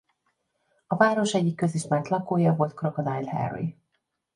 A város egyik közismert lakója volt Crocodile Harry.